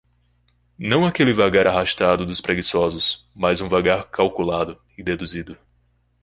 não aquele vagar arrastado dos preguiçosos, mas um vagar calculado e deduzido